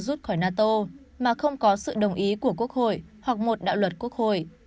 rút khỏi nato mà không có sự đồng ý của quốc hội hoặc một đạo luật quốc hội